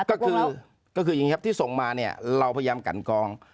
ก็คืออย่างนี้ครับที่ส่งมาเนี่ยเราพยายามกันกอง